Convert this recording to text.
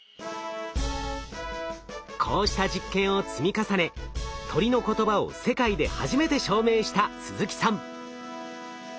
こうした実験を積み重ね鳥の言葉を世界で初めて証明した鈴木さん。